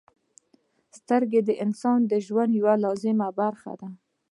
• سترګې د انسان د ژوند یوه لازمي برخه ده.